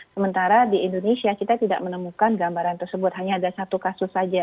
sementara di indonesia kita tidak menemukan gambaran tersebut hanya ada satu kasus saja